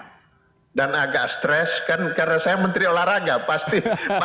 iya saya tegang dan agak stres kan karena saya menteri olahraga pasti